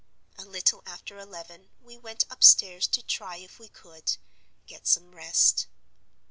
"A little after eleven we went upstairs to try if we could get some rest.